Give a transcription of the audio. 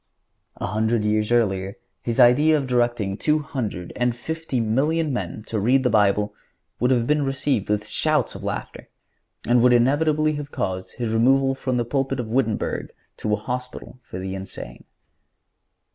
A hundred years earlier his idea of directing two hundred and fifty million men to read the Bible would have been received with shouts of laughter, and would inevitably have caused his removal from the pulpit of Wittenberg to a hospital for the insane."